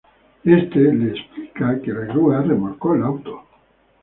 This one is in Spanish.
Este le explica que la grúa remolcó el auto.